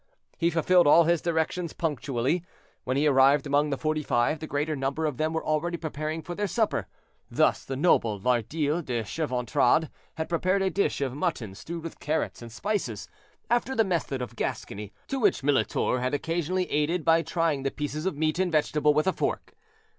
He fulfilled all his directions punctually. When he arrived among the Forty five, the greater number of them were already preparing for their supper. Thus the noble Lardille de Chavantrade had prepared a dish of mutton stewed with carrots and spices, after the method of Gascony, to which Militor had occasionally aided by trying the pieces of meat and vegetable with a fork.